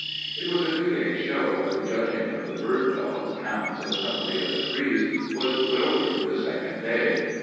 It was a two day show, and the judging of the bird dogs, hounds, and some of the other breeds was put over to the second day.